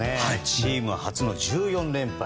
チームは初の１４連敗。